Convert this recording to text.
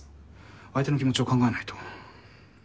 相手の気持ちを考えないと。